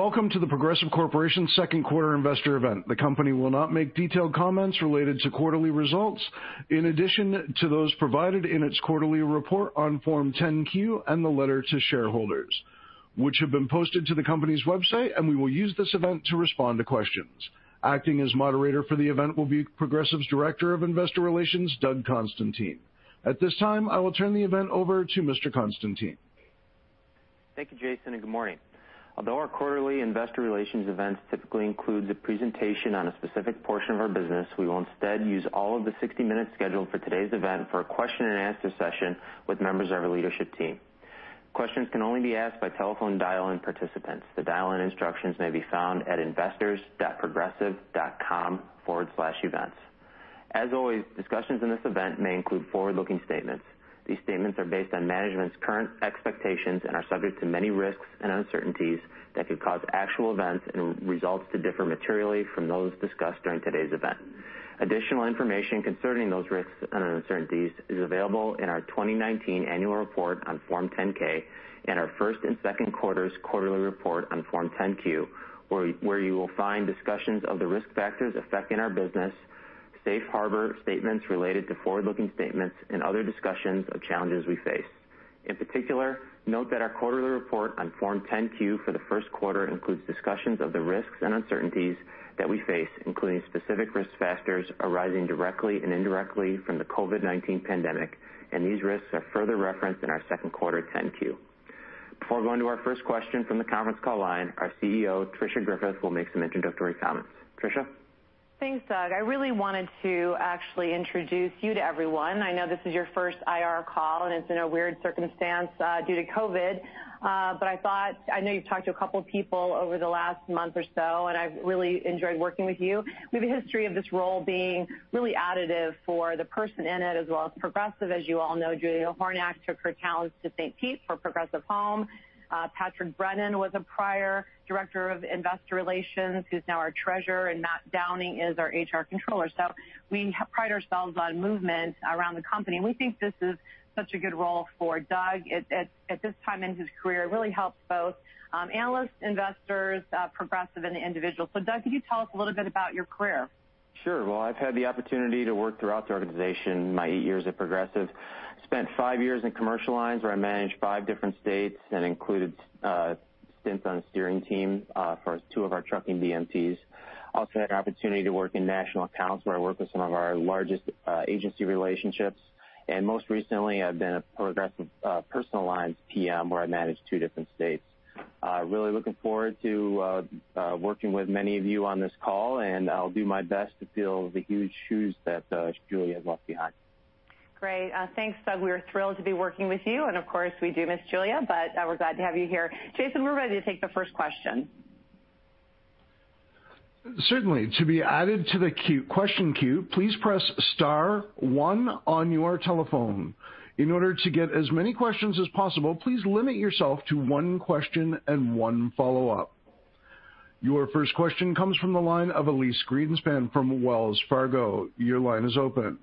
Welcome to The Progressive Corporation second quarter investor event. The company will not make detailed comments related to quarterly results in addition to those provided in its quarterly report on Form 10-Q and the letter to shareholders, which have been posted to the company's website, and we will use this event to respond to questions. Acting as moderator for the event will be Progressive's Director of Investor Relations, Doug Constantine. At this time, I will turn the event over to Mr. Constantine. Thank you, Jason. Good morning. Although our quarterly investor relations events typically include the presentation on a specific portion of our business, we will instead use all of the 60 minutes scheduled for today's event for a question-and-answer session with members of our leadership team. Questions can only be asked by telephone dial-in participants. The dial-in instructions may be found at investors.progressive.com/events. As always, discussions in this event may include forward-looking statements. These statements are based on management's current expectations and are subject to many risks and uncertainties that could cause actual events and results to differ materially from those discussed during today's event. Additional information concerning those risks and uncertainties is available in our 2019 annual report on Form 10-K and our first and second quarter's quarterly report on Form 10-Q, where you will find discussions of the risk factors affecting our business, safe harbor statements related to forward-looking statements, and other discussions of challenges we face. In particular, note that our quarterly report on Form 10-Q for the first quarter includes discussions of the risks and uncertainties that we face, including specific risk factors arising directly and indirectly from the COVID-19 pandemic, and these risks are further referenced in our second quarter 10-Q. Before going to our first question from the conference call line, our CEO, Tricia Griffith, will make some introductory comments. Tricia? Thanks, Doug. I really wanted to actually introduce you to everyone. I know this is your first IR call, and it's in a weird circumstance due to COVID. I know you've talked to a couple people over the last month or so, and I've really enjoyed working with you. We have a history of this role being really additive for the person in it as well as Progressive. As you all know, Julia Hornack took her talents to St. Pete for Progressive Home. Patrick Brennan was a prior director of investor relations, who's now our treasurer, and Matt Downing is our HR controller. We pride ourselves on movement around the company, and we think this is such a good role for Doug at this time in his career. It really helps both analysts, investors, Progressive, and the individual. Doug, could you tell us a little bit about your career? Sure. Well, I've had the opportunity to work throughout the organization my eight years at Progressive. Spent five years in commercial lines where I managed five different states and included a stint on the steering team for two of our trucking DMCs. Also had an opportunity to work in national accounts, where I worked with some of our largest agency relationships. Most recently, I've been a Progressive personal lines PM, where I managed two different states. Really looking forward to working with many of you on this call, and I'll do my best to fill the huge shoes that Julia left behind. Great. Thanks, Doug. We are thrilled to be working with you, and of course, we do miss Julia, but we're glad to have you here. Jason, we're ready to take the first question. Certainly. To be added to the question queue, please press star one on your telephone. In order to get as many questions as possible, please limit yourself to one question and one follow-up. Your first question comes from the line of Elyse Greenspan from Wells Fargo. Your line is open.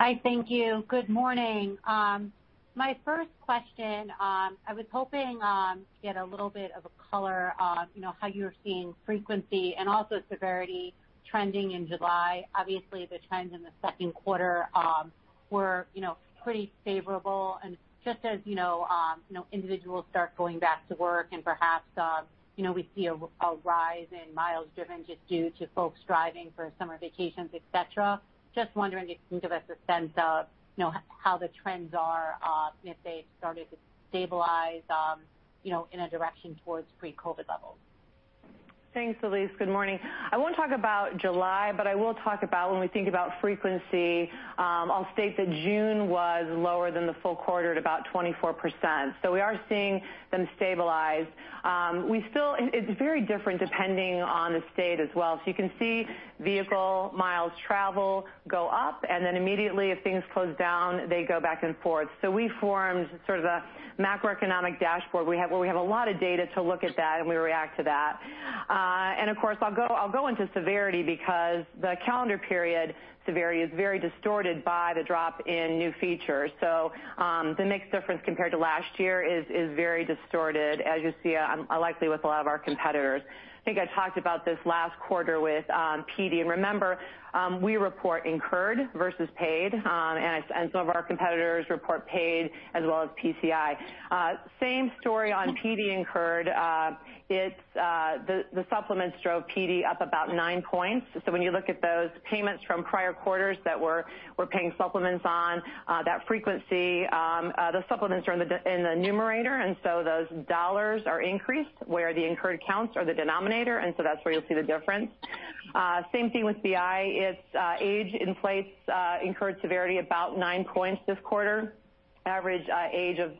Hi, thank you. Good morning. My first question, I was hoping to get a little bit of a color on how you're seeing frequency and also severity trending in July. Obviously, the trends in the second quarter were pretty favorable and just as individuals start going back to work and perhaps, we see a rise in miles driven just due to folks driving for summer vacations, et cetera. Just wondering if you can give us a sense of how the trends are, if they've started to stabilize in a direction towards pre-COVID-19 levels. Thanks, Elyse. Good morning. I won't talk about July, but I will talk about when we think about frequency, I'll state that June was lower than the full quarter at about 24%. We are seeing them stabilize. It's very different depending on the state as well. You can see vehicle miles traveled go up, and then immediately if things close down, they go back and forth. We formed sort of the macroeconomic dashboard where we have a lot of data to look at that, and we react to that. Of course, I'll go into severity because the calendar period severity is very distorted by the drop in new features. The mixed difference compared to last year is very distorted, as you see, likely with a lot of our competitors. I think I talked about this last quarter with PD, and remember, we report incurred versus paid, and some of our competitors report paid as well as PCI. Same story on PD incurred. The supplements drove PD up about nine points. When you look at those payments from prior quarters that we're paying supplements on, the supplements are in the numerator, and so those dollars are increased where the incurred counts are the denominator, and so that's where you'll see the difference. Same thing with BI. Its age in place, incurred severity about nine points this quarter. Average age of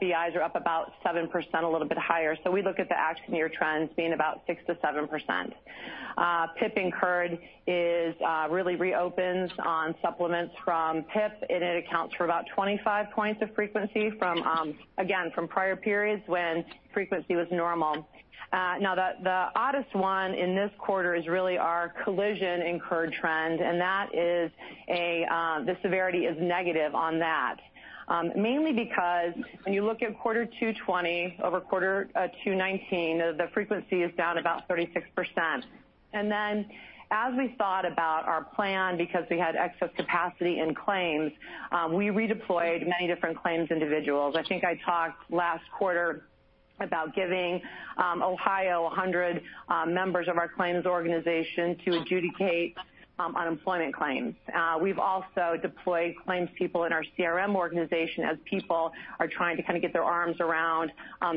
BIs are up about 7%, a little bit higher. We look at the accident year trends being about 6%-7%. PIP incurred is really reopens on supplements from PIP, and it accounts for about 25 points of frequency, again, from prior periods when frequency was normal. The oddest one in this quarter is really our collision incurred trend, and the severity is negative on that. Mainly because when you look at quarter two 2020 over quarter two 2019, the frequency is down about 36%. As we thought about our plan, because we had excess capacity in claims, we redeployed many different claims individuals. I think I talked last quarter about giving Ohio 100 members of our claims organization to adjudicate unemployment claims. We've also deployed claims people in our CRM organization as people are trying to get their arms around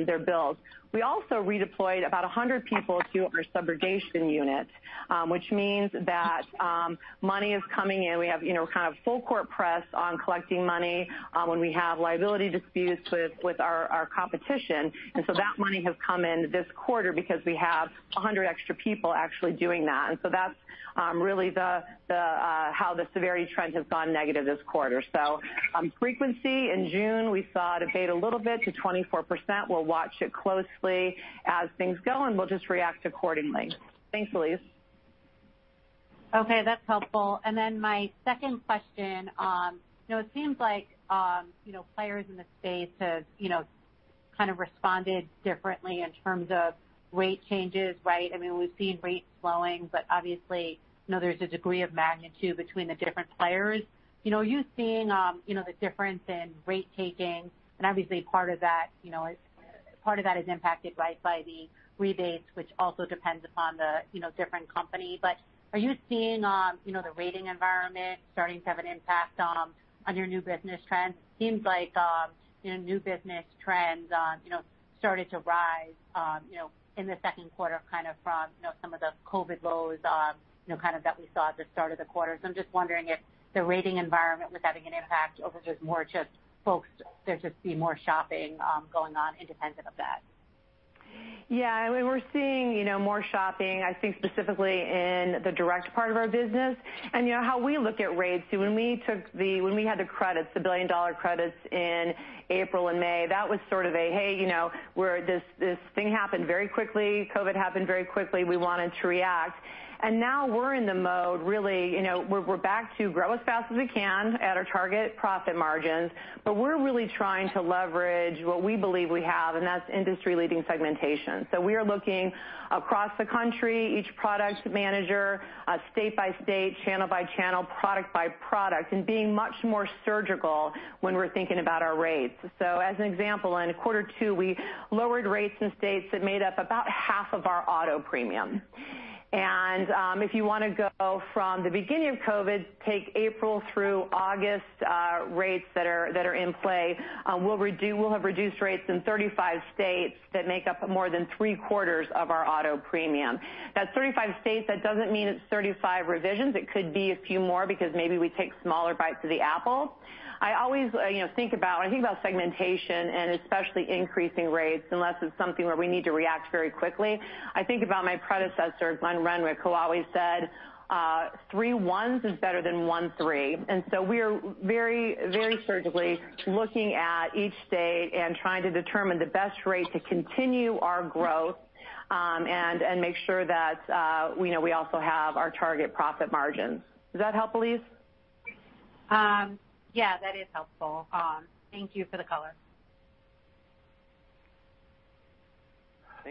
their bills. We also redeployed about 100 people to our subrogation unit, which means that money is coming in. We have full court press on collecting money when we have liability disputes with our competition. That money has come in this quarter because we have 100 extra people actually doing that. That's really how the severity trend has gone negative this quarter. Frequency in June, we saw it abate a little bit to 24%. We'll watch it closely as things go, and we'll just react accordingly. Thanks, Elyse. Okay, that's helpful. My second question, it seems like players in the space have responded differently in terms of rate changes, right? We've seen rates slowing, but obviously, there's a degree of magnitude between the different players. Are you seeing the difference in rate taking? Obviously part of that is impacted by the rebates, which also depends upon the different company. Are you seeing the rating environment starting to have an impact on your new business trends? It seems like new business trends started to rise in the second quarter from some of the COVID lows that we saw at the start of the quarter. I'm just wondering if the rating environment was having an impact or was this more just folks, there's just been more shopping going on independent of that. Yeah. We're seeing more shopping, I think specifically in the direct part of our business. How we look at rates, when we had the credits, the $1 billion credits in April and May, that was sort of a, hey, this thing happened very quickly. COVID-19 happened very quickly. We wanted to react. Now we're in the mode, really, we're back to grow as fast as we can at our target profit margins, but we're really trying to leverage what we believe we have, and that's industry-leading segmentation. We are looking across the country, each product manager, state by state, channel by channel, product by product, and being much more surgical when we're thinking about our rates. As an example, in quarter two, we lowered rates in states that made up about half of our auto premium. If you want to go from the beginning of COVID-19, take April through August rates that are in play, we'll have reduced rates in 35 states that make up more than 3/4 of our auto premium. That's 35 states. That doesn't mean it's 35 revisions. It could be a few more because maybe we take smaller bites of the apple. I always think about segmentation and especially increasing rates unless it's something where we need to react very quickly. I think about my predecessor, Glenn Renwick, who always said, "Three ones is better than one three." We are very surgically looking at each state and trying to determine the best rate to continue our growth, and make sure that we also have our target profit margins. Does that help, Elyse? Yeah, that is helpful. Thank you for the color.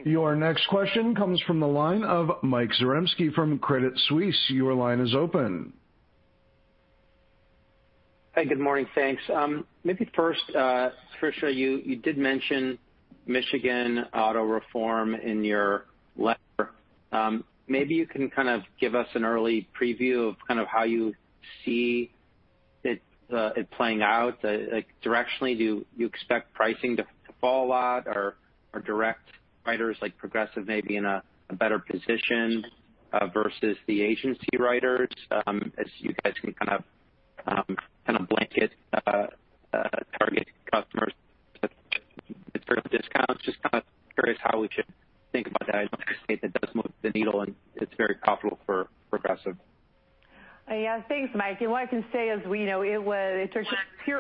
Your next question comes from the line of Mike Zaremski from Credit Suisse. Your line is open. Hi, good morning. Thanks. Maybe first, Tricia, you did mention Michigan auto reform in your letter. Maybe you can give us an early preview of how you see it playing out. Directionally, do you expect pricing to fall a lot or direct writers like Progressive maybe in a better position versus the agency writers as you guys can kind of blanket target customers in terms of discounts? Just kind of curious how we should think about that as a state that does move the needle and it's very profitable for Progressive. Yeah. Thanks, Mike. What I can say is it took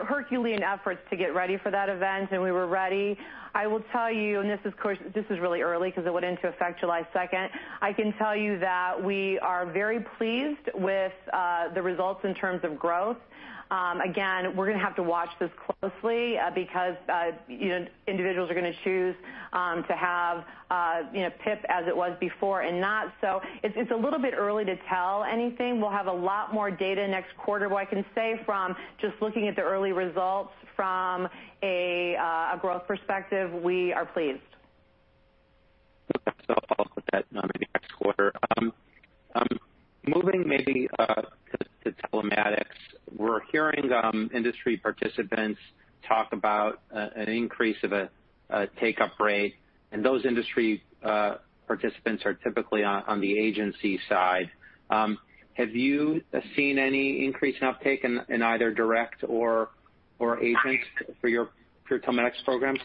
Herculean efforts to get ready for that event, and we were ready. I will tell you, and this is really early because it went into effect July 2nd. I can tell you that we are very pleased with the results in terms of growth. Again, we're going to have to watch this closely because individuals are going to choose to have PIP as it was before and not. It's a little bit early to tell anything. We'll have a lot more data next quarter. What I can say from just looking at the early results from a growth perspective, we are pleased. I'll put that on the next quarter. Moving maybe to telematics. We're hearing industry participants talk about an increase of a take-up rate, and those industry participants are typically on the agency side. Have you seen any increase in uptake in either direct or agents for your telematics programs?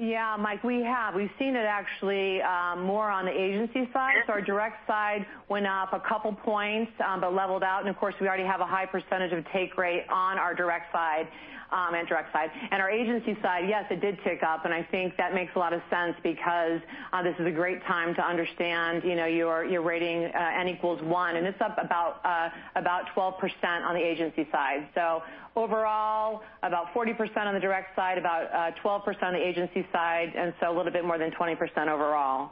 Mike, we have. We've seen it actually more on the agency side. Our direct side went up a couple points, but leveled out, and of course, we already have a high percentage of take rate on our direct side. Our agency side, yes, it did tick up, and I think that makes a lot of sense because this is a great time to understand your rating N equals one, and it's up about 12% on the agency side. Overall, about 40% on the direct side, about 12% on the agency side, and so a little bit more than 20% overall.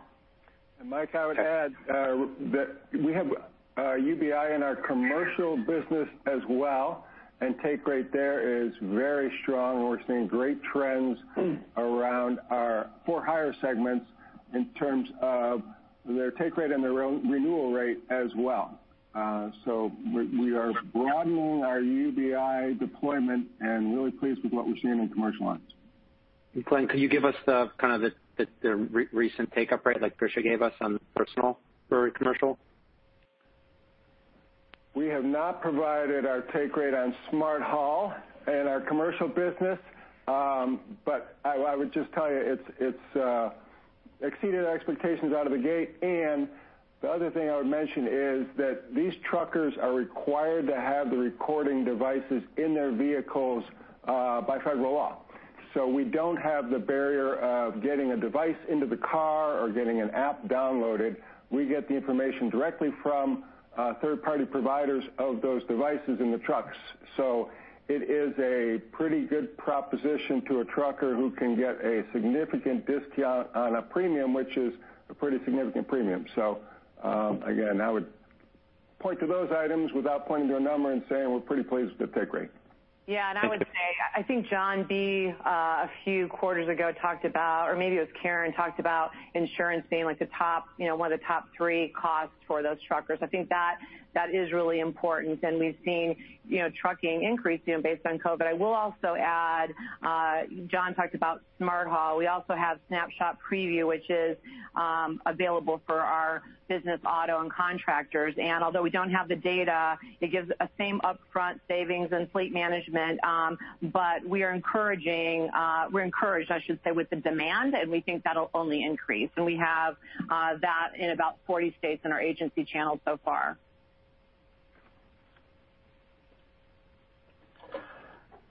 Mike, I would add that we have UBI in our commercial business as well, and take rate there is very strong. We're seeing great trends around our for-hire segments in terms of their take rate and their renewal rate as well. We are broadening our UBI deployment and really pleased with what we're seeing in commercial lines. John, could you give us the recent take-up rate, like Tricia gave us on personal, for commercial? We have not provided our take rate on Smart Haul in our commercial business. I would just tell you, it's exceeded expectations out of the gate. The other thing I would mention is that these truckers are required to have the recording devices in their vehicles by federal law. We don't have the barrier of getting a device into the car or getting an app downloaded. We get the information directly from third-party providers of those devices in the trucks. It is a pretty good proposition to a trucker who can get a significant discount on a premium, which is a pretty significant premium. Again, I would point to those items without pointing to a number and saying we're pretty pleased with the take rate. Yeah. I would say, I think John P. a few quarters ago talked about, or maybe it was Karen, talked about insurance being one of the top three costs for those truckers. I think that is really important, and we've seen trucking increase based on COVID-19. I will also add, John talked about Smart Haul. We also have Snapshot ProView, which is available for our business auto and contractors. Although we don't have the data, it gives the same upfront savings in fleet management. We're encouraged, I should say, with the demand, and we think that'll only increase. We have that in about 40 states in our agency channels so far.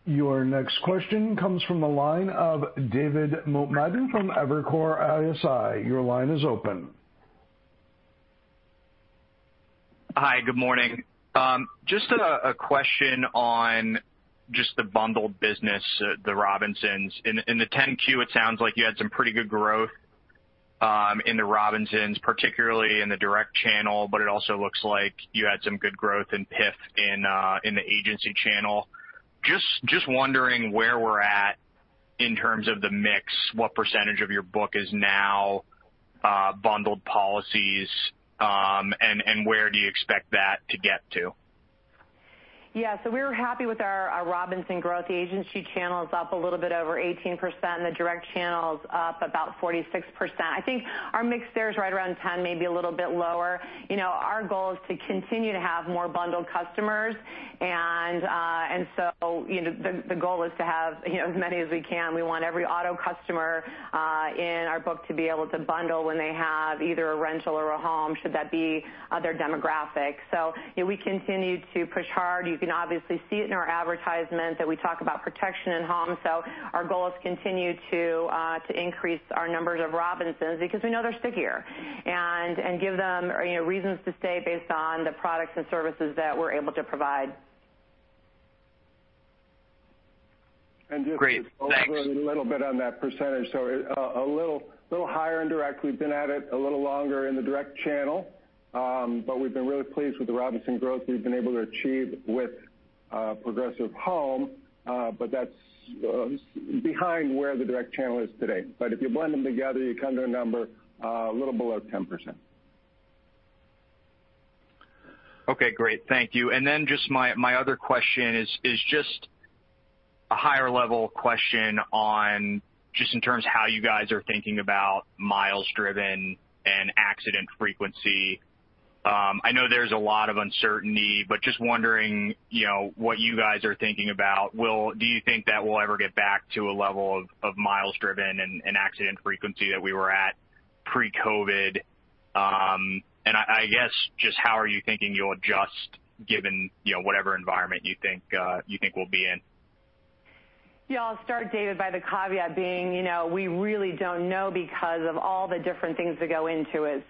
Your next question comes from the line of David Motemaden from Evercore ISI. Your line is open. Hi, good morning. Just a question on the bundled business, the Robinsons. In the 10-Q, it sounds like you had some pretty good growth, in the Robinsons, particularly in the direct channel, but it also looks like you had some good growth in PIF in the agency channel. Just wondering where we're at in terms of the mix, what percentage of your book is now bundled policies, and where do you expect that to get to? We're happy with our Robinsons growth. The agency channel is up a little bit over 18%, and the direct channel is up about 46%. I think our mix there is right around 10%, maybe a little bit lower. Our goal is to continue to have more bundled customers. The goal is to have as many as we can. We want every auto customer in our book to be able to bundle when they have either a rental or a home, should that be their demographic. We continue to push hard. You can obviously see it in our advertisements that we talk about protection in home. Our goal is to continue to increase our numbers of Robinsons because we know they're stickier and give them reasons to stay based on the products and services that we're able to provide. Great. Thanks. Just a little bit on that percentage. A little higher in direct. We've been at it a little longer in the direct channel, but we've been really pleased with the Robinsons growth we've been able to achieve with Progressive Home, but that's behind where the direct channel is today. If you blend them together, you come to a number a little below 10%. Okay, great. Thank you. Then just my other question is just a higher-level question on just in terms of how you guys are thinking about miles driven and accident frequency. I know there's a lot of uncertainty, but just wondering what you guys are thinking about. Do you think that we'll ever get back to a level of miles driven and accident frequency that we were at pre-COVID? I guess just how are you thinking you'll adjust given whatever environment you think we'll be in? Yeah, I'll start, David, by the caveat being we really don't know because of all the different things that go into it.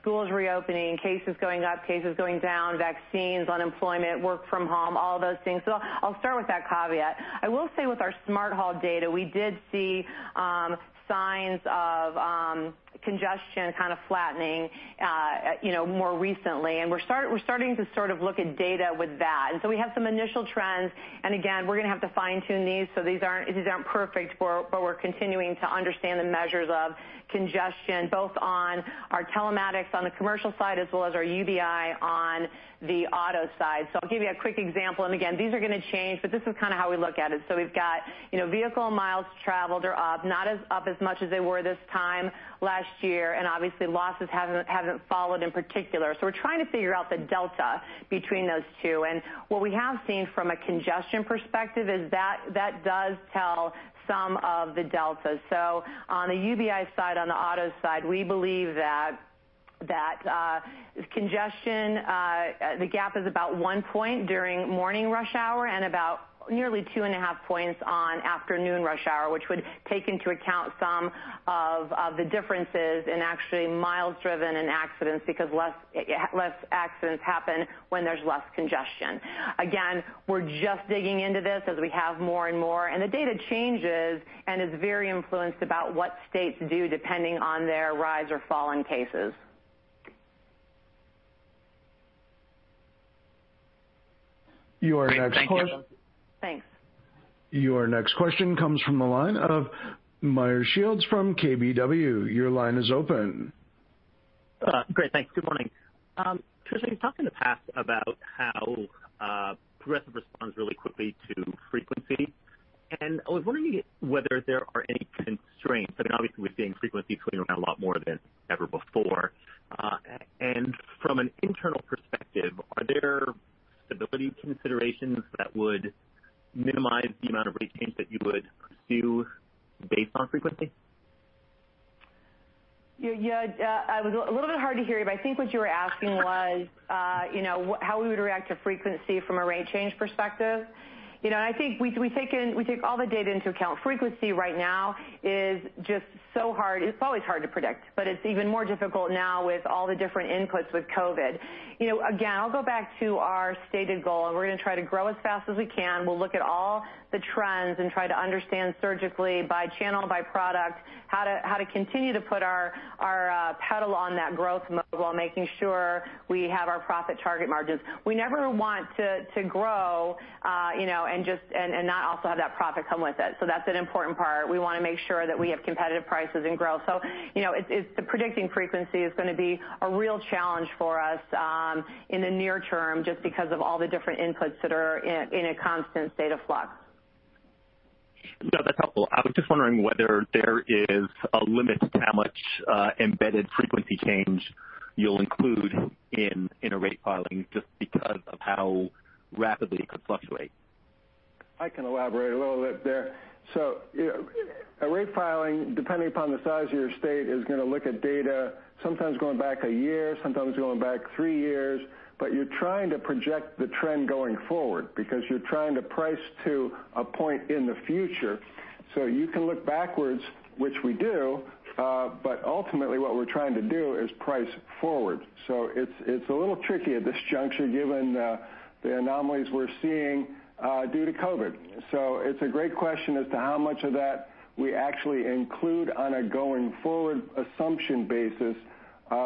Schools reopening, cases going up, cases going down, vaccines, unemployment, work from home, all those things. I'll start with that caveat. I will say with our Smart Haul data, we did see signs of congestion kind of flattening more recently, and we're starting to sort of look at data with that. We have some initial trends, and again, we're going to have to fine-tune these, so these aren't perfect, but we're continuing to understand the measures of congestion, both on our telematics on the commercial side as well as our UBI on the auto side. I'll give you a quick example, and again, these are going to change, but this is kind of how we look at it. We've got vehicle miles traveled are up, not up as much as they were this time last year, and obviously losses haven't followed in particular. We're trying to figure out the delta between those two. What we have seen from a congestion perspective is that does tell some of the delta. On the UBI side, on the auto side, we believe that congestion, the gap is about one point during morning rush hour and about nearly 2.5 points on afternoon rush hour, which would take into account some of the differences in actually miles driven and accidents because less accidents happen when there's less congestion. Again, we're just digging into this as we have more and more, and the data changes and is very influenced about what states do depending on their rise or fall in cases. Your next question. Thanks. Your next question comes from the line of Meyer Shields from KBW. Your line is open. Great, thanks. Good morning. Tricia, you've talked in the past about how Progressive responds really quickly to frequency, and I was wondering whether there are any constraints. I mean, obviously, we're seeing frequency floating around a lot more than ever before. From an internal perspective, are there stability considerations that would minimize the amount of rate change that you would pursue based on frequency? Yeah. It was a little bit hard to hear you, but I think what you were asking was how we would react to frequency from a rate change perspective. I think we take all the data into account. Frequency right now is just so hard. It's always hard to predict, but it's even more difficult now with all the different inputs with COVID-19. Again, I'll go back to our stated goal, and we're going to try to grow as fast as we can. We'll look at all the trends and try to understand surgically by channel, by product, how to continue to put our pedal on that growth mode while making sure we have our profit target margins. We never want to grow, and not also have that profit come with it. That's an important part. We want to make sure that we have competitive prices and growth. Predicting frequency is going to be a real challenge for us in the near term just because of all the different inputs that are in a constant state of flux. No, that's helpful. I was just wondering whether there is a limit to how much embedded frequency change you'll include in a rate filing just because of how rapidly it could fluctuate. I can elaborate a little bit there. A rate filing, depending upon the size of your state, is going to look at data sometimes going back a year, sometimes going back three years, but you're trying to project the trend going forward because you're trying to price to a point in the future. You can look backwards, which we do. Ultimately, what we're trying to do is price forward. It's a little tricky at this juncture given the anomalies we're seeing due to COVID. It's a great question as to how much of that we actually include on a going forward assumption basis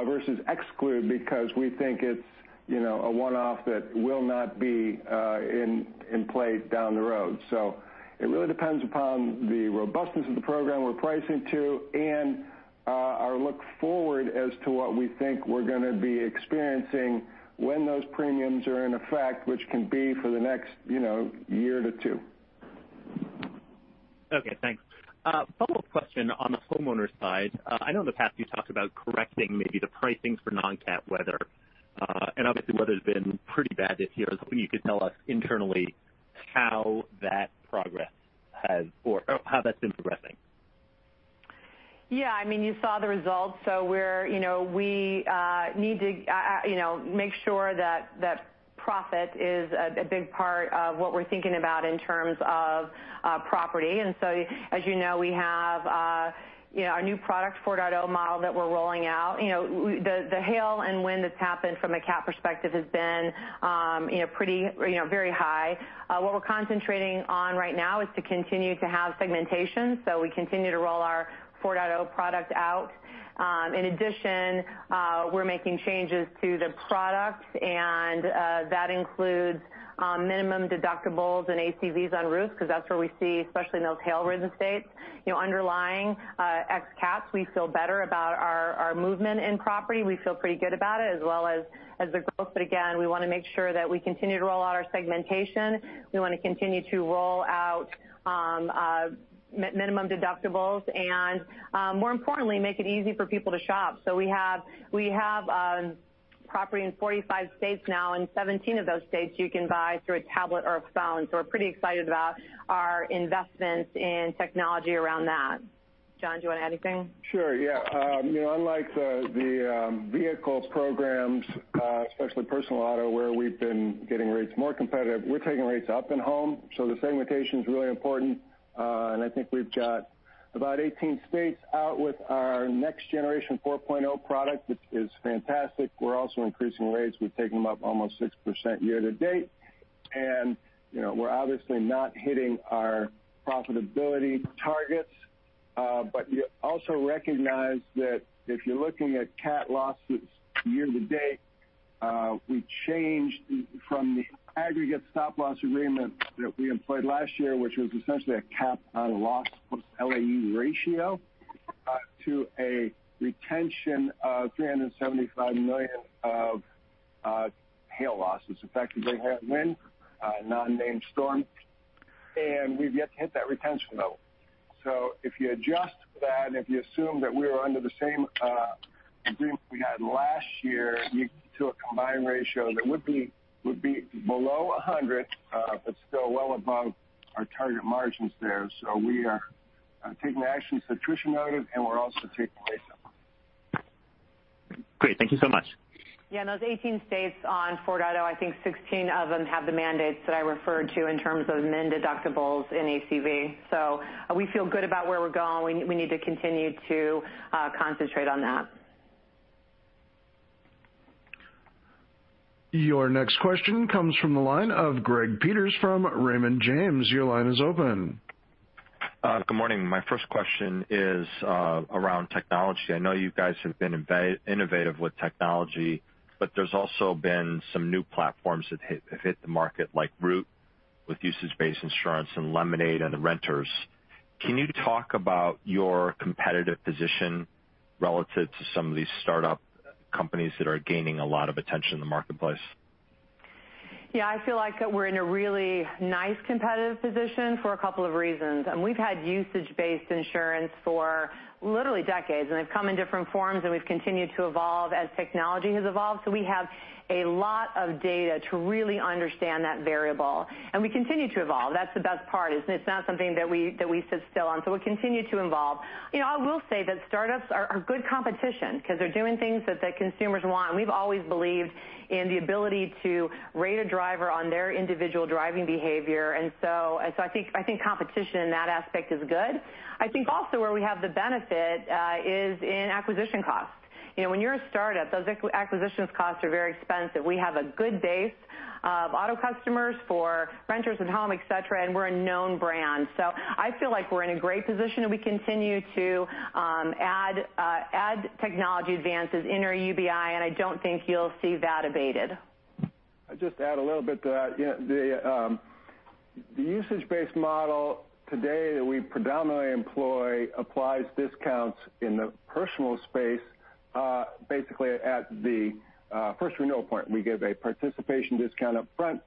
versus exclude because we think it's a one-off that will not be in play down the road. It really depends upon the robustness of the program we're pricing to and our look forward as to what we think we're going to be experiencing when those premiums are in effect, which can be for the next year to two. Okay, thanks. A follow-up question on the homeowner side. I know in the past you talked about correcting maybe the pricing for non-cat weather. Obviously, weather's been pretty bad this year. I was hoping you could tell us internally how that's been progressing. Yeah, you saw the results. We need to make sure that profit is a big part of what we're thinking about in terms of property. As you know, we have our new product, 4.0 model that we're rolling out. The hail and wind that's happened from a cat perspective has been very high. What we're concentrating on right now is to continue to have segmentation. We continue to roll our 4.0 product out. In addition, we're making changes to the product, and that includes minimum deductibles and ACVs on roofs because that's where we see, especially in those hail-ridden states. Underlying x CATs, we feel better about our movement in property. We feel pretty good about it as well as the growth. Again, we want to make sure that we continue to roll out our segmentation. We want to continue to roll out minimum deductibles and, more importantly, make it easy for people to shop. We have property in 45 states now, and 17 of those states you can buy through a tablet or a phone. We're pretty excited about our investments in technology around that. John, do you want to add anything? Sure, yeah. Unlike the vehicles programs, especially personal auto, where we've been getting rates more competitive, we're taking rates up in home. The segmentation is really important. I think we've got about 18 states out with our next generation 4.0 product, which is fantastic. We're also increasing rates. We've taken them up almost 6% year to date. We're obviously not hitting our profitability targets. But you also recognize that if you're looking at cat losses year to date, we changed from the aggregate stop loss agreement that we employed last year, which was essentially a cap on loss plus LAE ratio, to a retention of $375 million of hail losses, effectively wind, non-named storm, and we've yet to hit that retention level. If you adjust that and if you assume that we were under the same agreement we had last year to a combined ratio, that would be below 100, but still well above our target margins there. We are taking actions that Tricia noted, and we're also taking rate. Great. Thank you so much. Yeah, those 18 states on 4.0, I think 16 of them have the mandates that I referred to in terms of minimum deductibles and ACV. We feel good about where we're going. We need to continue to concentrate on that. Your next question comes from the line of Greg Peters from Raymond James. Your line is open. Good morning. My first question is around technology. I know you guys have been innovative with technology, but there's also been some new platforms that have hit the market, like Root, with usage-based insurance, and Lemonade in the renters. Can you talk about your competitive position relative to some of these startup companies that are gaining a lot of attention in the marketplace? Yeah. I feel like we're in a really nice competitive position for a couple of reasons. We've had usage-based insurance for literally decades, and they've come in different forms, and we've continued to evolve as technology has evolved, so we have a lot of data to really understand that variable, and we continue to evolve. That's the best part is it's not something that we sit still on. We continue to evolve. I will say that startups are good competition because they're doing things that the consumers want, and we've always believed in the ability to rate a driver on their individual driving behavior. I think competition in that aspect is good. I think also where we have the benefit, is in acquisition costs. When you're a startup, those acquisitions costs are very expensive. We have a good base of auto customers for renters and home, et cetera, and we're a known brand. I feel like we're in a great position, and we continue to add technology advances in our UBI, and I don't think you'll see that abated. I'll just add a little bit to that. The usage-based model today that we predominantly employ applies discounts in the personal space, basically at the first renewal point. We give a participation discount up front.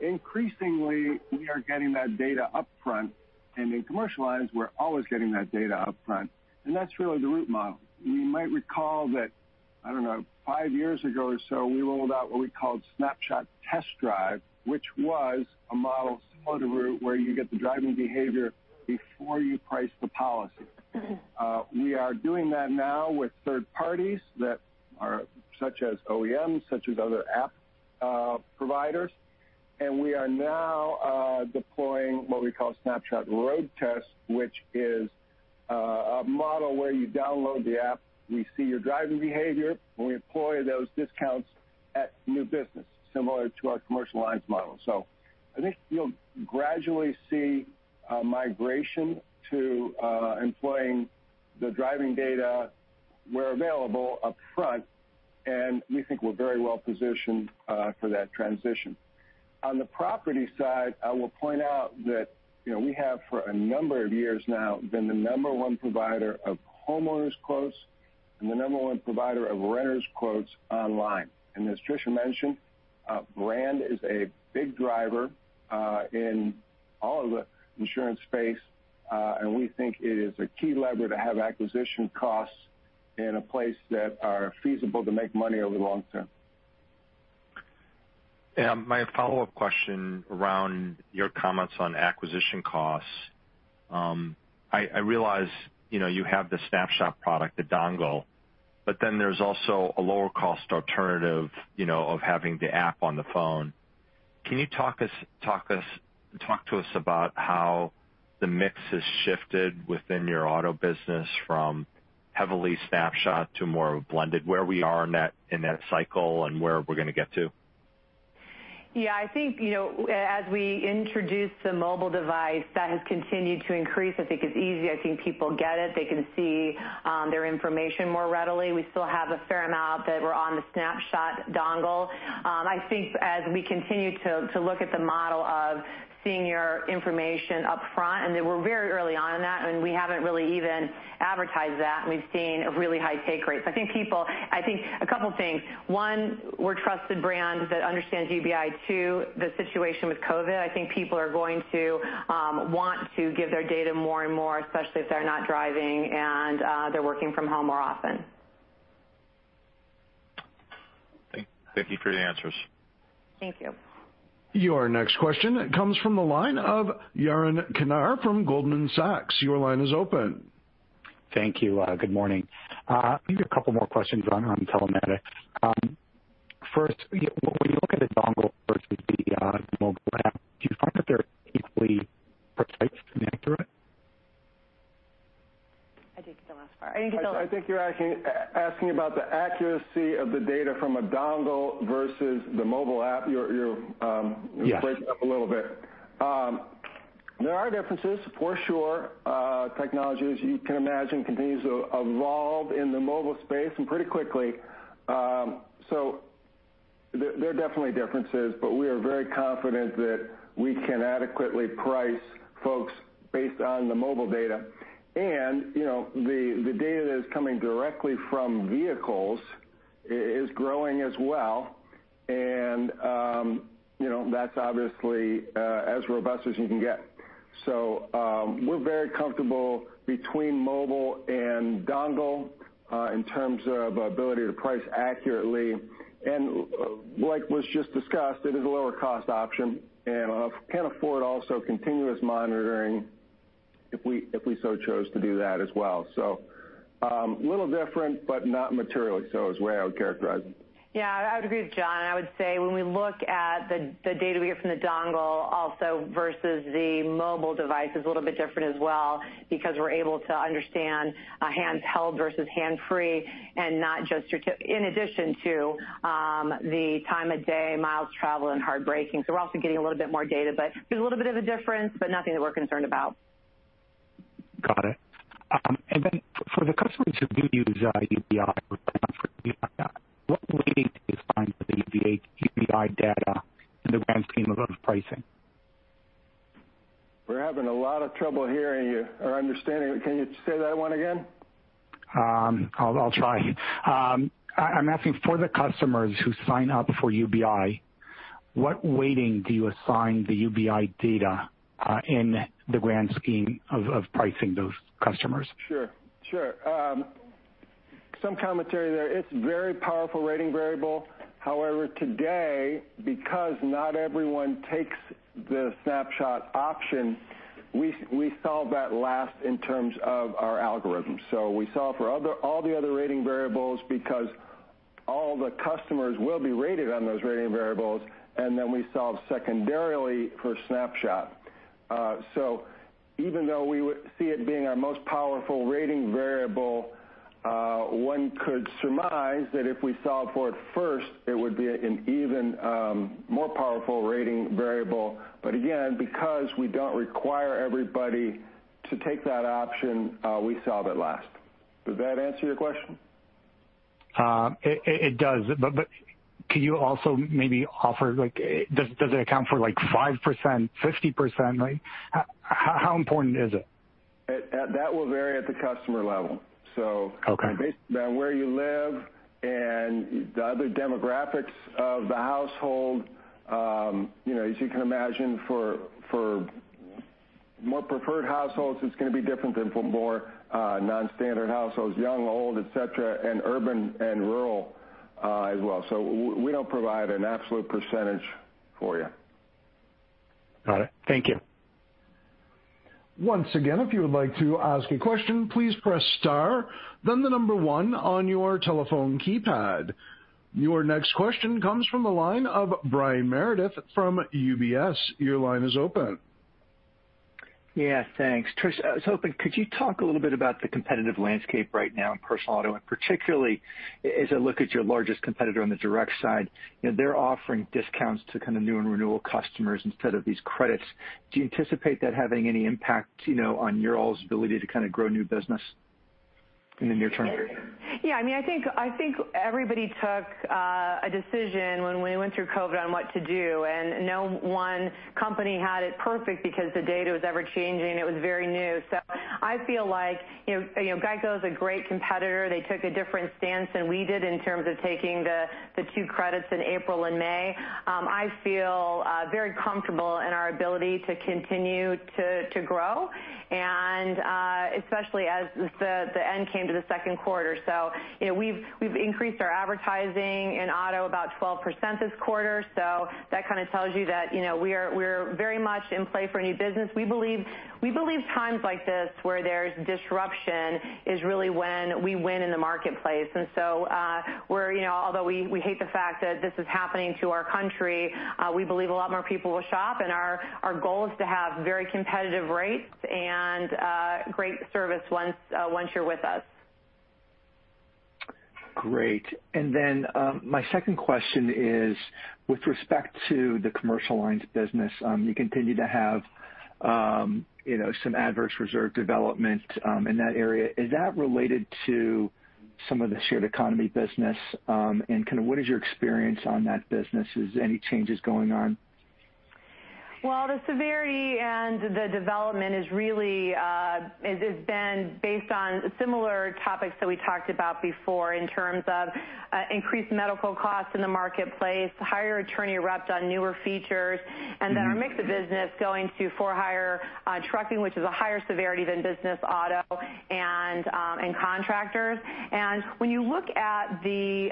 Increasingly, we are getting that data up front, and in commercial lines, we're always getting that data up front, and that's really the Root model. You might recall that, I don't know, five years ago or so, we rolled out what we called Snapshot Test Drive, which was a model similar to Root, where you get the driving behavior before you price the policy. We are doing that now with third parties such as OEMs, such as other app providers. We are now deploying what we call Snapshot Road Test, which is a model where you download the app, we see your driving behavior, and we employ those discounts at new business, similar to our commercial lines model. I think you'll gradually see a migration to employing the driving data where available up front. We think we're very well positioned for that transition. On the property side, I will point out that we have for a number of years now been the number one provider of homeowners quotes and the number one provider of renters quotes online. As Tricia mentioned, brand is a big driver in all of the insurance space, and we think it is a key lever to have acquisition costs in a place that are feasible to make money over the long term. My follow-up question around your comments on acquisition costs. I realize you have the Snapshot product, the dongle, but then there's also a lower cost alternative of having the app on the phone. Can you talk to us about how the mix has shifted within your auto business from heavily Snapshot to more of a blended, where we are in that cycle and where we're going to get to? Yeah. I think, as we introduced the mobile device, that has continued to increase. I think it's easy. I think people get it. They can see their information more readily. We still have a fair amount that were on the Snapshot dongle. I think as we continue to look at the model of seeing your information up front, and that we're very early on in that, and we haven't really even advertised that, and we've seen really high take rates. I think a couple of things. One, we're a trusted brand that understands UBI. Two, the situation with COVID-19, I think people are going to want to give their data more and more, especially if they're not driving, and they're working from home more often. Thank you for your answers. Thank you. Your next question comes from the line of Yaron Kinar from Goldman Sachs. Your line is open. Thank you. Good morning. I think a couple more questions on telematics. First, when you look at the dongle versus the mobile app, do you find that they're equally precise and accurate? I didn't get the last part. I think you're asking about the accuracy of the data from a dongle versus the mobile app. Yes were breaking up a little bit. There are differences, for sure. Technology, as you can imagine, continues to evolve in the mobile space, and pretty quickly. There are definitely differences, but we are very confident that we can adequately price folks based on the mobile data. The data that is coming directly from vehicles is growing as well, and that's obviously as robust as you can get. We're very comfortable between mobile and dongle, in terms of ability to price accurately. Like was just discussed, it is a lower cost option, and can afford, also, continuous monitoring if we so chose to do that as well. A little different, but not materially so is the way I would characterize it. Yeah. I would agree with John. I would say when we look at the data we get from the dongle also versus the mobile device is a little bit different as well because we're able to understand hands-held versus hand free in addition to the time of day, miles traveled, and hard braking. We're also getting a little bit more data. There's a little bit of a difference, but nothing that we're concerned about. Got it. For the customers who do use UBI or Snapshot, what weighting do you assign to the UBI data in the grand scheme of pricing? We're having a lot of trouble hearing you or understanding. Can you say that one again? I'll try. I'm asking for the customers who sign up for UBI, what weighting do you assign the UBI data, in the grand scheme of pricing those customers? Sure. Some commentary there. It's a very powerful rating variable. Today, because not everyone takes the Snapshot option, we solve that last in terms of our algorithm. We solve for all the other rating variables because all the customers will be rated on those rating variables, and then we solve secondarily for Snapshot. Even though we see it being our most powerful rating variable, one could surmise that if we solved for it first, it would be an even more powerful rating variable. Again, because we don't require everybody to take that option, we solve it last. Does that answer your question? It does. Can you also maybe offer, does it account for 5%, 50%? How important is it? That will vary at the customer level. Okay. Based on where you live and the other demographics of the household, as you can imagine, for more preferred households, it's going to be different than for more non-standard households, young, old, et cetera, and urban and rural as well. We don't provide an absolute percentage for you. Got it. Thank you. Once again, if you would like to ask a question, please press star, then the number one on your telephone keypad. Your next question comes from the line of Brian Meredith from UBS. Your line is open. Yeah, thanks. Tricia, I was hoping, could you talk a little bit about the competitive landscape right now in personal auto, and particularly as I look at your largest competitor on the direct side, they're offering discounts to kind of new and renewal customers instead of these credits. Do you anticipate that having any impact on your all's ability to grow new business in the near term? Yeah, I think everybody took a decision when we went through COVID on what to do. No one company had it perfect because the data was ever-changing. It was very new. I feel like GEICO's a great competitor. They took a different stance than we did in terms of taking the two credits in April and May. I feel very comfortable in our ability to continue to grow and, especially as the end came to the second quarter. We've increased our advertising in auto about 12% this quarter. That kind of tells you that we're very much in play for new business. We believe times like this where there's disruption is really when we win in the marketplace. Although we hate the fact that this is happening to our country, we believe a lot more people will shop, and our goal is to have very competitive rates and great service once you're with us. Great. My second question is, with respect to the commercial lines business, you continue to have some adverse reserve development in that area. Is that related to some of the shared economy business? What is your experience on that business? Is any changes going on? Well, the severity and the development has been based on similar topics that we talked about before in terms of increased medical costs in the marketplace, higher attorney reps on newer features, and then our mix of business going to for-hire trucking, which is a higher severity than business auto and contractors. When you look at the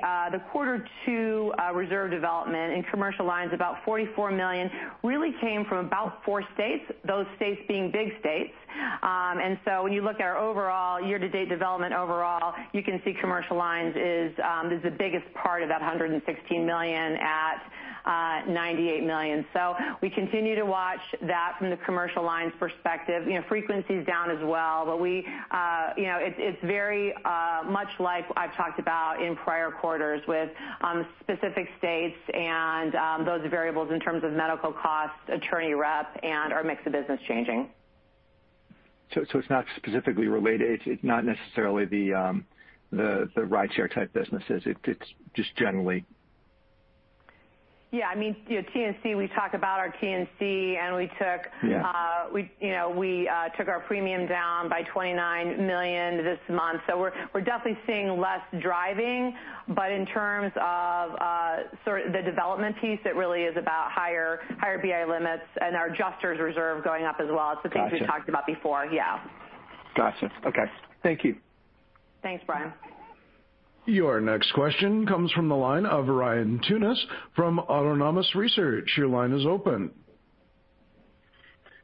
quarter two reserve development in commercial lines, about $44 million really came from about four states, those states being big states. When you look at our overall year-to-date development overall, you can see commercial lines is the biggest part of that $116 million at $98 million. We continue to watch that from the commercial lines perspective. Frequency's down as well, but it's very much like I've talked about in prior quarters with specific states and those variables in terms of medical costs, attorney rep, and our mix of business changing. It's not specifically related. It's not necessarily the rideshare type businesses. It's just generally. Yeah. TNC, we talk about our TNC. Yeah We took our premium down by $29 million this month. We're definitely seeing less driving. In terms of the development piece, it really is about higher BI limits and our adjusters reserve going up as well. It's the things we've talked about before. Yeah. Gotcha. Okay. Thank you. Thanks, Brian. Your next question comes from the line of Ryan Tunis from Autonomous Research. Your line is open.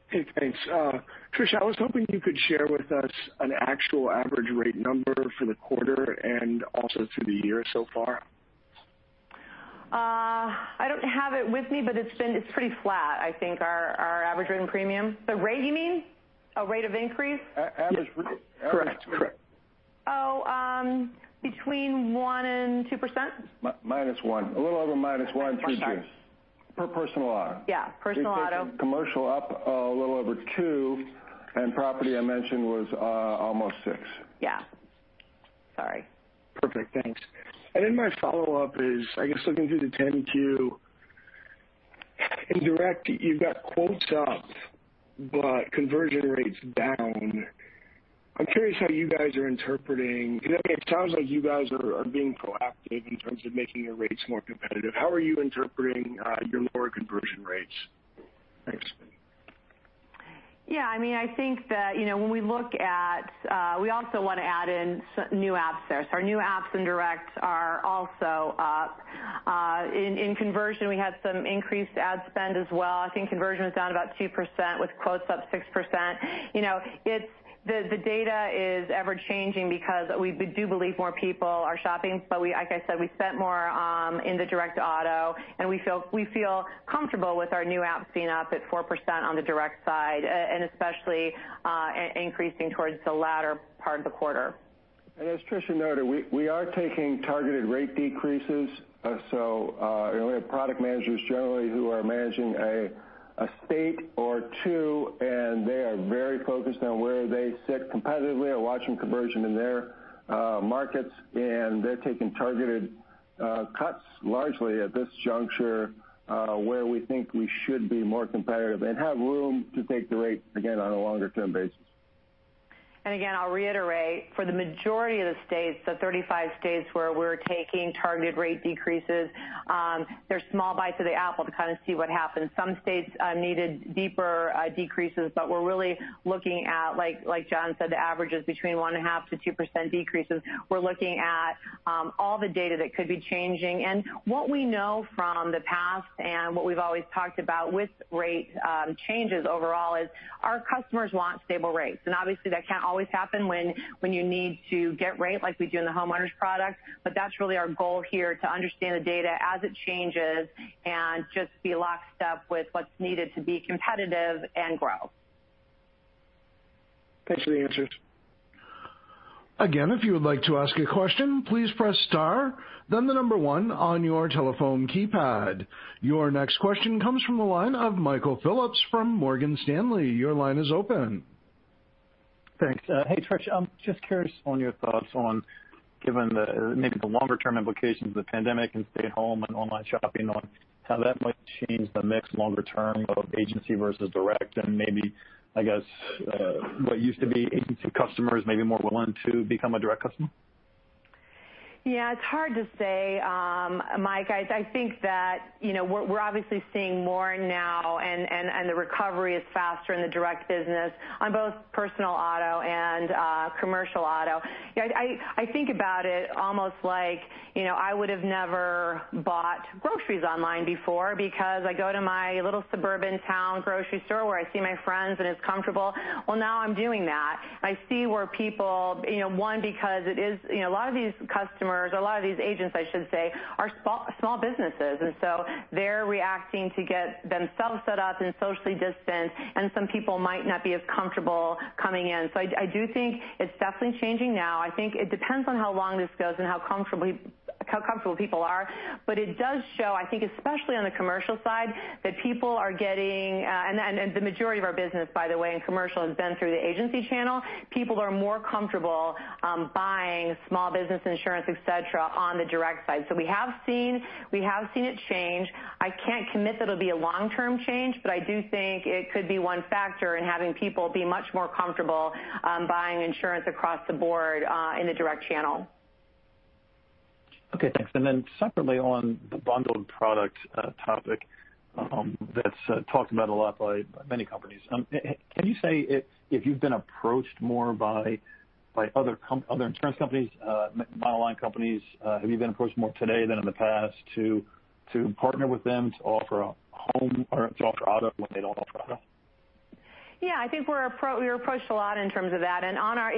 Hey, thanks. Tricia, I was hoping you could share with us an actual average rate number for the quarter and also through the year so far. I don't have it with me, but it's pretty flat, I think, our average rate and premium. The rate, you mean? A rate of increase? Yes. Correct. Between 1% and 2%? Minus one. A little over minus one through June. Oh, sorry. Per personal auto. Yeah, personal auto. We've taken commercial up a little over two. Property I mentioned was almost six. Yeah. Sorry. Perfect. Thanks. My follow-up is, I guess, looking through the 10-Q, in direct, you've got quotes up but conversion rates down. I'm curious how you guys are interpreting, because it sounds like you guys are being proactive in terms of making your rates more competitive. How are you interpreting your lower conversion rates? Thanks. I think that we also want to add in new apps there. Our new apps in direct are also up. In conversion, we had some increased ad spend as well. I think conversion was down about 2% with quotes up 6%. The data is ever-changing because we do believe more people are shopping. Like I said, we spent more in the direct auto, and we feel comfortable with our new apps being up at 4% on the direct side, and especially increasing towards the latter part of the quarter. As Tricia noted, we are taking targeted rate decreases. We have product managers generally who are managing a state or two, and they are very focused on where they sit competitively or watching conversion in their markets. They're taking targeted cuts largely at this juncture, where we think we should be more competitive and have room to take the rates again on a longer-term basis. Again, I'll reiterate, for the majority of the states, the 35 states where we're taking targeted rate decreases, they're small bites of the apple to kind of see what happens. Some states needed deeper decreases, but we're really looking at, like John said, the averages between 1.5%-2% decreases. What we know from the past and what we've always talked about with rate changes overall is our customers want stable rates, and obviously, that can't always happen when you need to get rate like we do in the homeowners product. That's really our goal here, to understand the data as it changes and just be lockstep with what's needed to be competitive and grow. Thanks for the answers. Again, if you would like to ask a question, please press star, then the number one on your telephone keypad. Your next question comes from the line of Michael Phillips from Morgan Stanley. Your line is open. Thanks. Hey, Tricia, I'm just curious on your thoughts on, given the maybe the longer-term implications of the pandemic and stay-at-home and online shopping on how that might change the mix longer term of agency versus direct, and maybe, I guess, what used to be agency customers may be more willing to become a direct customer? Yeah, it's hard to say, Mike. I think that we're obviously seeing more now. The recovery is faster in the direct business on both personal auto and commercial auto. I think about it almost like I would have never bought groceries online before because I go to my little suburban town grocery store where I see my friends, and it's comfortable. Well, now I'm doing that. I see where people, one, because a lot of these customers, a lot of these agents, I should say, are small businesses. They're reacting to get themselves set up and socially distant, and some people might not be as comfortable coming in. I do think it's definitely changing now. I think it depends on how long this goes and how comfortable people are. It does show, I think, especially on the commercial side, and the majority of our business, by the way, in commercial has been through the agency channel. People are more comfortable buying small business insurance, et cetera, on the direct side. We have seen it change. I can't commit that it'll be a long-term change, but I do think it could be one factor in having people be much more comfortable buying insurance across the board in the direct channel. Okay, thanks. Separately, on the bundled product topic that's talked about a lot by many companies, can you say if you've been approached more by other insurance companies, multi-line companies? Have you been approached more today than in the past to partner with them to offer auto when they don't offer auto? Yeah, I think we're approached a lot in terms of that. In our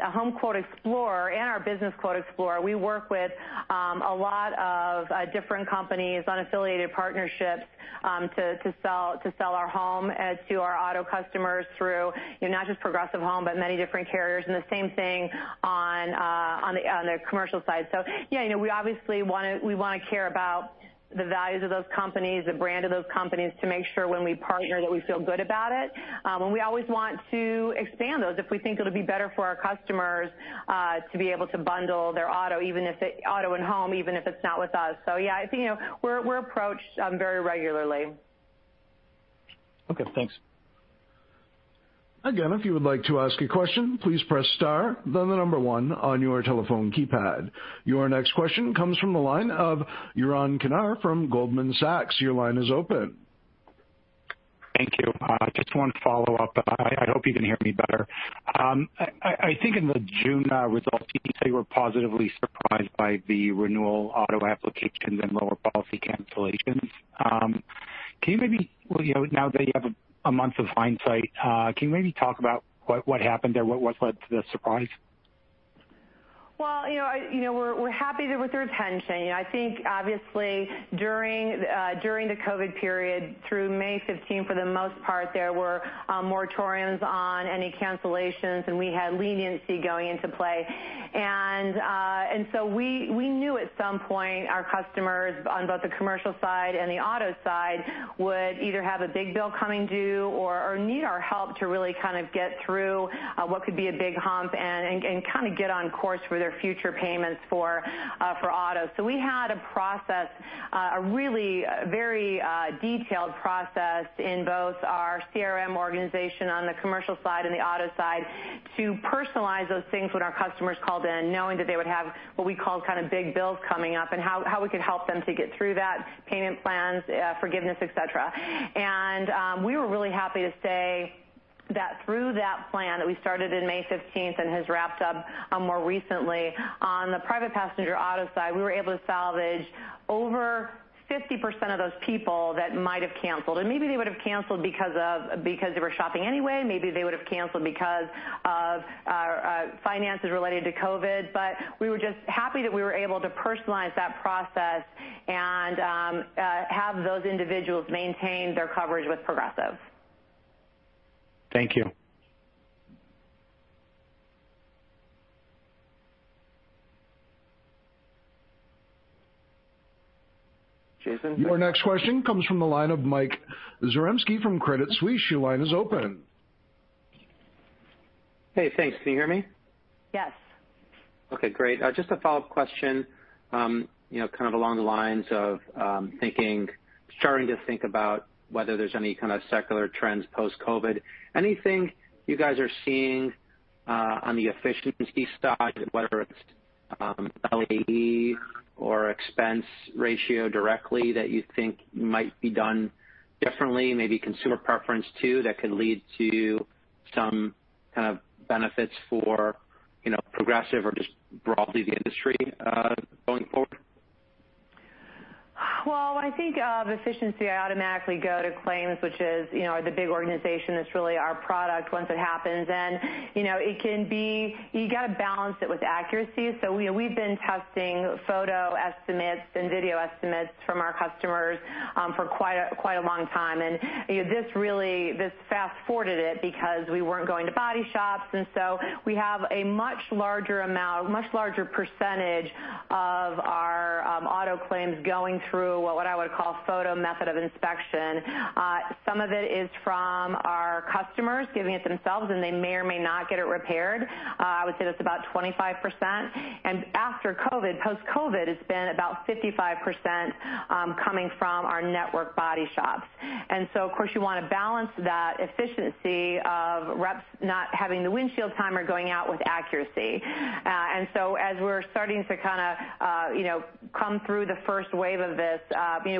HomeQuote Explorer and our BusinessQuote Explorer, we work with a lot of different companies, unaffiliated partnerships, to sell our home to our auto customers through not just Progressive Home, but many different carriers, and the same thing on the commercial side. Yeah, we obviously want to care about the values of those companies, the brand of those companies, to make sure when we partner that we feel good about it. We always want to expand those if we think it'll be better for our customers to be able to bundle their auto and home, even if it's not with us. Yeah, I think we're approached very regularly. Okay, thanks. If you would like to ask a question, please press star, then the number one on your telephone keypad. Your next question comes from the line of Yaron Kinar from Goldman Sachs. Your line is open. Thank you. Just one follow-up. I hope you can hear me better. I think in the June results, you say you were positively surprised by the renewal auto applications and lower policy cancellations. Now that you have a month of hindsight, can you maybe talk about what happened there? What led to the surprise? Happy with the retention. I think obviously during the COVID-19 period through May 15, for the most part, there were moratoriums on any cancellations, we had leniency going into play. We knew at some point our customers on both the commercial side and the auto side would either have a big bill coming due or need our help to really kind of get through what could be a big hump and get on course for their future payments for auto. We had a really very detailed process in both our CRM organization on the commercial side and the auto side to personalize those things when our customers called in, knowing that they would have what we call big bills coming up and how we could help them to get through that, payment plans, forgiveness, et cetera. We were really happy to say that through that plan that we started on May 15th and has wrapped up more recently on the private passenger auto side, we were able to salvage over 50% of those people that might have canceled, and maybe they would have canceled because they were shopping anyway. Maybe they would have canceled because of finances related to COVID-19, but we were just happy that we were able to personalize that process and have those individuals maintain their coverage with Progressive. Thank you. Jason. Your next question comes from the line of Mike Zaremski from Credit Suisse. Your line is open. Hey, thanks. Can you hear me? Yes. Okay, great. Just a follow-up question, kind of along the lines of starting to think about whether there's any kind of secular trends post-COVID. Anything you guys are seeing on the efficiency side, whether it's LAE or expense ratio directly that you think might be done differently, maybe consumer preference too, that could lead to some kind of benefits for Progressive or just broadly the industry going forward? Well, I think of efficiency, I automatically go to claims, which is the big organization. It's really our product once it happens. You got to balance it with accuracy. We've been testing photo estimates and video estimates from our customers for quite a long time, and this fast-forwarded it because we weren't going to body shops. We have a much larger percentage of our auto claims going through what I would call photo method of inspection. Some of it is from our customers giving it themselves, and they may or may not get it repaired. I would say that's about 25%. After COVID, post-COVID, it's been about 55% coming from our network body shops. Of course, you want to balance that efficiency of reps not having the windshield timer going out with accuracy. As we're starting to come through the first wave of this,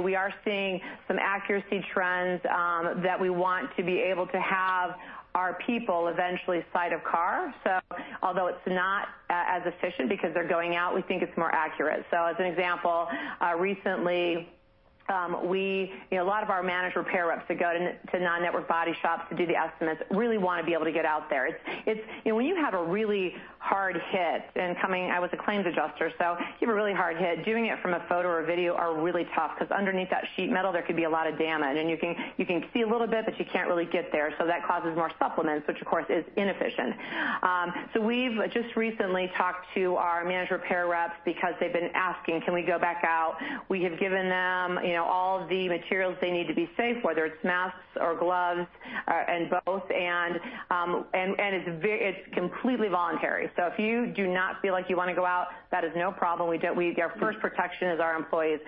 we are seeing some accuracy trends that we want to be able to have our people eventually sight of car. Although it's not as efficient because they're going out, we think it's more accurate. As an example, recently, a lot of our managed repair reps that go to non-network body shops to do the estimates really want to be able to get out there. When you have a really hard hit, and I was a claims adjuster, so you have a really hard hit, doing it from a photo or video are really tough because underneath that sheet metal, there could be a lot of damage. You can see a little bit, but you can't really get there. That causes more supplements, which, of course, is inefficient. We've just recently talked to our managed repair reps because they've been asking, "Can we go back out?" We have given them all the materials they need to be safe, whether it's masks or gloves or both, and it's completely voluntary. If you do not feel like you want to go out, that is no problem. Our first protection is our employees.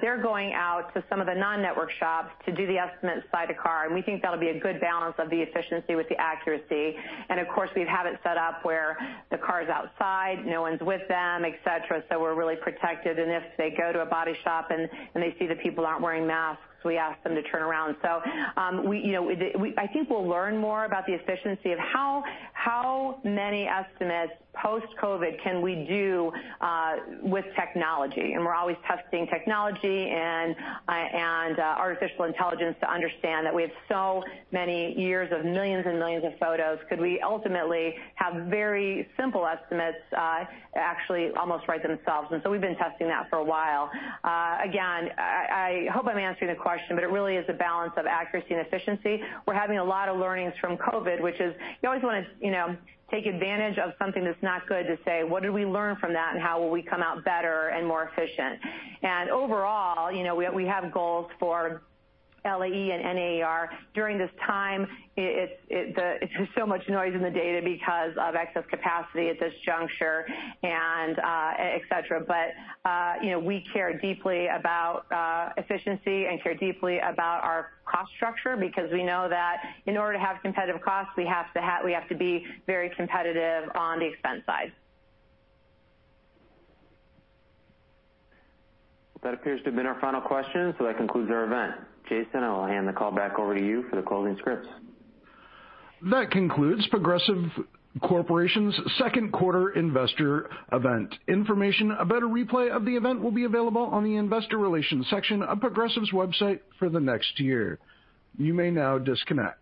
They're going out to some of the non-network shops to do the estimates by the car, and we think that'll be a good balance of the efficiency with the accuracy. Of course, we have it set up where the car's outside, no one's with them, et cetera, so we're really protected. If they go to a body shop and they see the people aren't wearing masks, we ask them to turn around. I think we'll learn more about the efficiency of how many estimates post-COVID can we do with technology. We're always testing technology and artificial intelligence to understand that we have so many years of millions and millions of photos. Could we ultimately have very simple estimates actually almost write themselves? We've been testing that for a while. Again, I hope I'm answering the question, but it really is a balance of accuracy and efficiency. We're having a lot of learnings from COVID, which is you always want to take advantage of something that's not good to say, what did we learn from that, and how will we come out better and more efficient? Overall, we have goals for LAE and NAAR. During this time, there's so much noise in the data because of excess capacity at this juncture and et cetera. We care deeply about efficiency and care deeply about our cost structure because we know that in order to have competitive costs, we have to be very competitive on the expense side. That appears to have been our final question, so that concludes our event. Jason, I will hand the call back over to you for the closing scripts. That concludes The Progressive Corporation's second quarter investor event. Information about a replay of the event will be available on the investor relations section of Progressive's website for the next year. You may now disconnect.